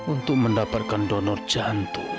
untuk mendapatkan donor jantung